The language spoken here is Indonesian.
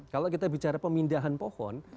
kalau kita bicara pemindahan pohon